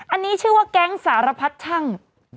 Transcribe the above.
อันนี้ชื่อว่าแก๊งสารพัดช่าง